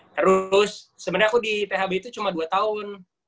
terus sebenernya aku di thb itu cuma dua tahun